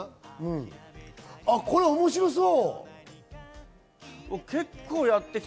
これ面白そう！